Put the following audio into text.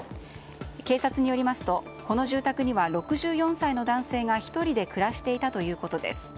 警察によりますと、この住宅には６４歳の男性が１人で暮らしていたということです。